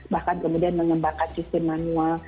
bahkan kemudian mengembangkan sistem manual